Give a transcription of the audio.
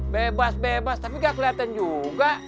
bebas bebas tapi gak kelihatan juga